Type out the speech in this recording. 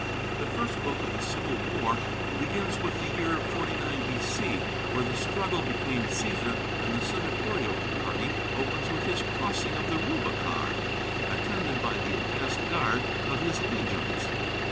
The first book of the Civil War begins with the year 49 B.C., where the struggle between Cæsar and the Senatorial party opens with his crossing of the Rubicon, attended by the advanced guard of his legions.